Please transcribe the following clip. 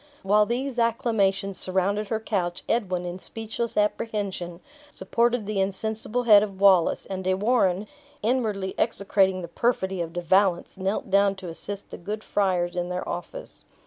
While these acclamations surrounded her couch, Edwin, in speechless apprehension, supported the insensible head of Wallace; and De Warenne, inwardly execrating the perfidy of De Valence, knelt down to assist the good friars in their office.